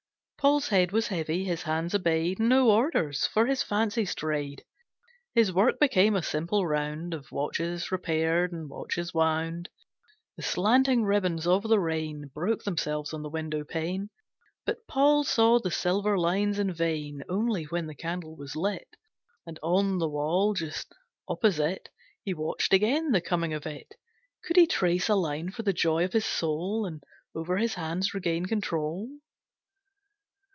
Paul's head was heavy, his hands obeyed No orders, for his fancy strayed. His work became a simple round Of watches repaired and watches wound. The slanting ribbons of the rain Broke themselves on the window pane, But Paul saw the silver lines in vain. Only when the candle was lit And on the wall just opposite He watched again the coming of it, Could he trace a line for the joy of his soul And over his hands regain control.